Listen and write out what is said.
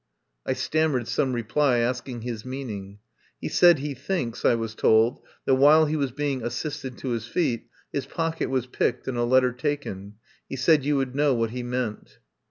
I stammered some reply asking his meaning. "He said he thinks," I was told, "that, while he was being assisted to his feet, his pocket was picked and a letter taken. He said you would know what he meant."